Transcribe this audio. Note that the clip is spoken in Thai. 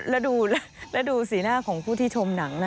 แล้วดูสีหน้าของผู้ที่ชมหนังนะ